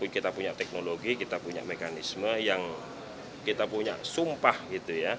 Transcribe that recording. kita punya teknologi kita punya mekanisme yang kita punya sumpah gitu ya